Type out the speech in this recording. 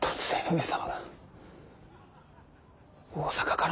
上様！